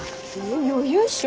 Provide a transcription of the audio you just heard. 余裕っしょ。